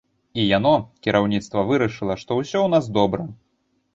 І яно, кіраўніцтва, вырашыла, што ўсё ў нас добра.